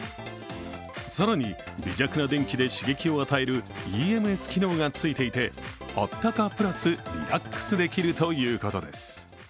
更に、微弱な電気で刺激を与えるＥＭＳ機能がついていてあったかプラスリラックスできるということです。